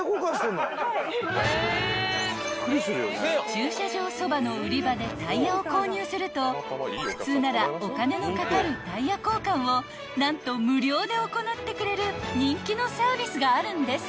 ［駐車場そばの売り場でタイヤを購入すると普通ならお金のかかるタイヤ交換を何と無料で行ってくれる人気のサービスがあるんです］